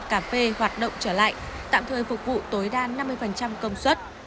cà phê hoạt động trở lại tạm thời phục vụ tối đa năm mươi công suất